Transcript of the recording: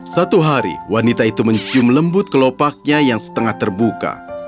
satu hari wanita itu mencium lembut kelopaknya yang setengah terbuka